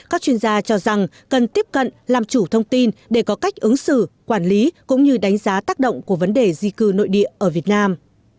các chuyên gia cho rằng cần tiếp cận làm chủ thông tin để có cách ứng xử quản lý cũng như đánh giá tác động của vấn đề di cư nội địa ở việt nam